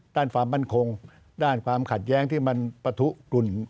ด้านความมั่นคงด้านความขัดแย้งที่มันปะทุกลุ่น